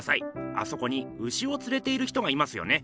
あそこに牛をつれている人がいますよね。